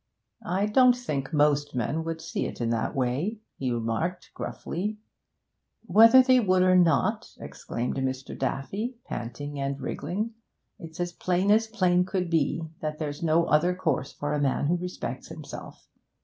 'I don't think most men would see it in that way,' he remarked gruffly. 'Whether they would or not,' exclaimed Mr. Daffy, panting and wriggling, 'it's as plain as plain could be that there's no other course for a man who respects himself.